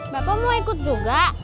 bapak mau ikut juga